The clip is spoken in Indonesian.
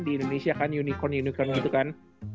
di indonesia kan unicorn unicorn gitu kan